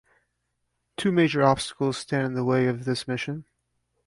Two major obstacles stand in the way of this mission.